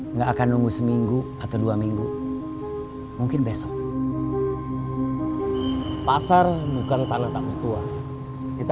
enggak akan nunggu seminggu atau dua minggu mungkin besok pasar bukan tanah tak tertua kita